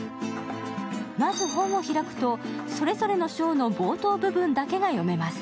まず、本を開くとそれぞれの章の冒頭部分だけが読めます。